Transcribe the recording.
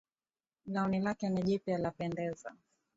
Gauni lake ni jipya lapendeza.